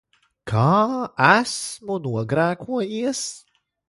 Kā esmu nogrēkojies?